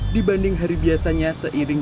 dibanding hari biasanya seiring